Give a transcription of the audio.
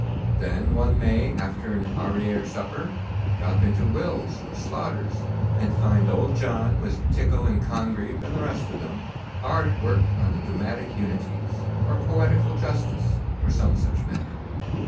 Then one may, after an arriere supper, drop into Will's or Slaughter's and find Old John, with Tickell and Congreve and the rest of them, hard at work on the dramatic unities, or poetical justice, or some such matter.